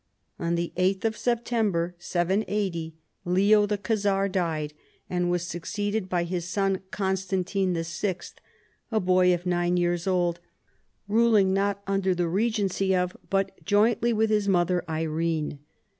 On the 8th of September 780, Leo the Khazar died and was succeeded by his son Constantino YI., a boy of nine years old, ruling not under the regency of, but jointly with, his mother Irene.